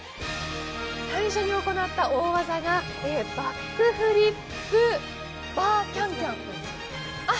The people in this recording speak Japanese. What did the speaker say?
最初に行った大技がバックフリップバーキャンキャン。